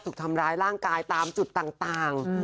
ถูกทำร้ายร่างกายตามจุดต่าง